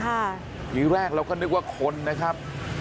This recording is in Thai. ทีแรกเราก็นึกว่าคนนะครับ